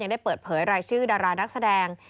ได้เปิดเผยรายชื่อดารานักแสดง